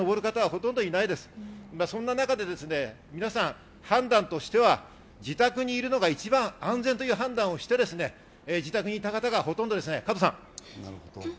そんな中で判断としては自宅にいるのが一番安全という判断をして自宅にいた方がほとんどです。